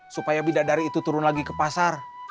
supaya bidat dari itu turun lagi ke pasar